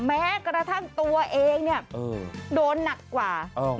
แม้กระทั่งตัวเองโดนหนักต่อ